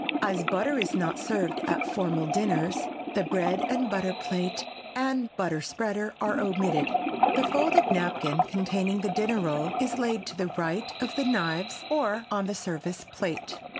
As butter is not served at formal dinners the bread and butter plate and butter spreader are omitted. The folded napkin containing the dinner roll is laid to the right of the knives or on the service plate.